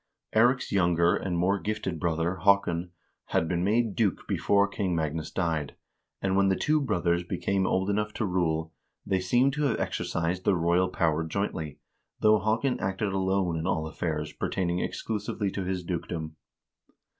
Eirik's younger and more gifted brother, Haakon, had been made duke before King Magnus died, and when the two brothers became old enough to rule, they seem to have exercised the royal power jointly, though Haakon acted alone in all affairs pertaining exclusively to his dukedom.